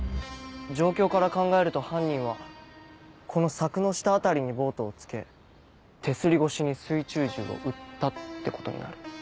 状況から考えると犯人はこの柵の下辺りにボートをつけ手すり越しに水中銃を撃ったってことになる。